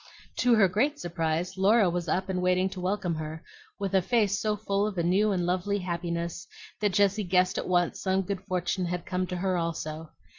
To her great surprise, Laura was up and waiting to welcome her, with a face so full of a new and lovely happiness that Jessie guessed at once some good fortune had come to her also.